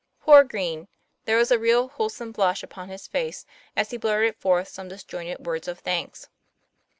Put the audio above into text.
Poor Green! there was a real, wholesome blush upon his face as he blurted forth some disjointed words of thanks.